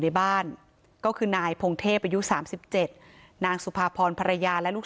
ในบ้านก็คือนายพงเทพอายุ๓๗นางสุภาพรภรรยาและลูก